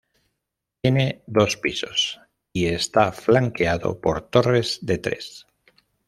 Tiene dos pisos, y está flanqueado por torres de tres.